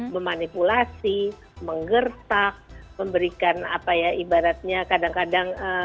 memanipulasi menggertak memberikan ibaratnya kadang kadang